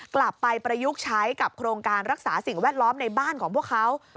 ประยุกต์ใช้กับโครงการรักษาสิ่งแวดล้อมในบ้านของพวกเขา